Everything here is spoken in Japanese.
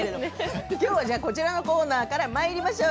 きょうはこちらのコーナーからまいりましょう。